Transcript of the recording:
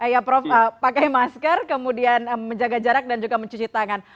ya prof pakai masker kemudian menjaga jarak dan juga mencuci tangan